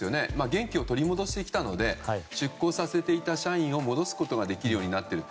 元気を取り戻してきたので出向させていた社員を戻すことができるようになっている。